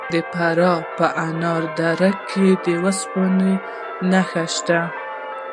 د فراه په انار دره کې د وسپنې نښې شته.